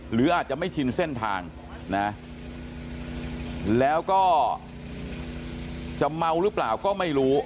หรืออาจจะไม่ชินเส้นทางนะแล้วก็จะเมาหรือเปล่าก็ไม่รู้